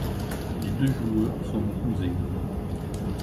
Les deux joueurs sont cousins.